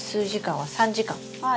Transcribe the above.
はい。